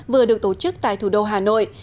vừa được tổ chức tại thủ đô hà nội